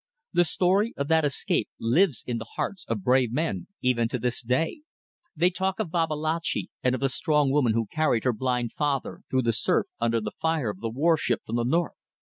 The story of that escape lives in the hearts of brave men even to this day. They talk of Babalatchi and of the strong woman who carried her blind father through the surf under the fire of the warship from the north.